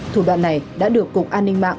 thủ đoạn này đã được cục an ninh mạng